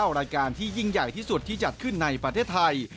รายการที่ยิ่งใหญ่ที่สุดที่จัดขึ้นในประเทศไทย